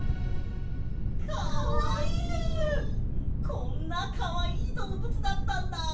こんなかわいいどうぶつだったんだ。